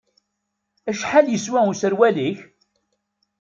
Acḥal yeswa userwal-ik?